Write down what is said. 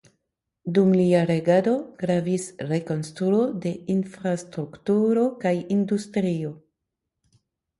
Dum lia regado gravis rekonstruo de infrastrukturo kaj industrio.